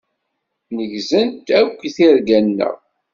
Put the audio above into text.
Nnegzant akk tirga-nneɣ.